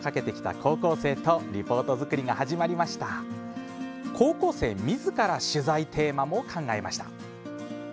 高校生みずから取材テーマも考えました。